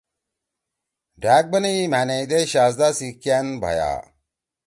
ڈھأک بنئی مھأ نئیدے شہزدا سی کأن بھئیا!